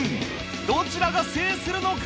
どちらが制するのか！？